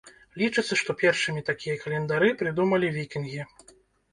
Лічыцца, што першымі такія календары прыдумалі вікінгі.